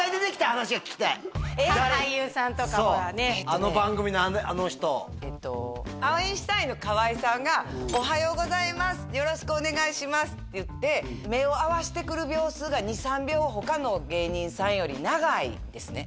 あの番組のあの人えっとアインシュタインの河井さんが「おはようございますよろしくお願いします」って言って目を合わしてくる秒数が２３秒他の芸人さんより長いんですね